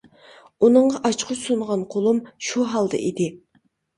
ئۇنىڭغا ئاچقۇچ سۇنغان قولۇم شۇ ھالدا ئىدى.